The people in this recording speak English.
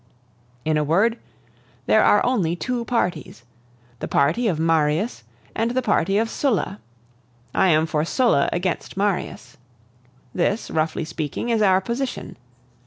"In a word, there are only two parties the party of Marius and the party of Sulla. I am for Sulla against Marius. This, roughly speaking, is our position.